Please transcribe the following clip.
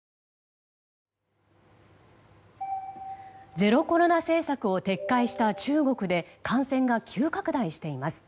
ゼロコロナ政策を撤回した中国で感染が急拡大しています。